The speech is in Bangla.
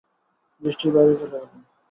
দৃষ্টির বাইরে চলে গেলেন।